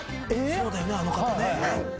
そうだよねあの方ね。